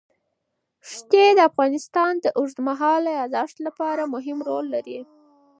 ښتې د افغانستان د اوږدمهاله پایښت لپاره مهم رول لري.